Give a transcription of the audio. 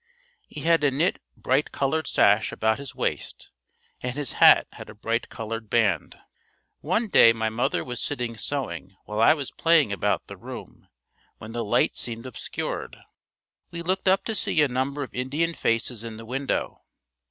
He had a knit bright colored sash about his waist and his hat had a bright colored band. One day my mother was sitting sewing while I was playing about the room, when the light seemed obscured. We looked up to see a number of Indian faces in the window.